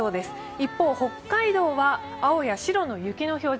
一方、北海道は青や白の表示。